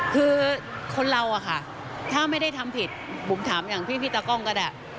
คือคนเราอะค่ะถ้าไม่ได้ทำผิดบุ๋มถามอย่างพี่ตากล้องก็ได้